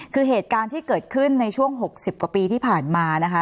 คือเหตุการณ์ที่เกิดขึ้นในช่วง๖๐กว่าปีที่ผ่านมานะคะ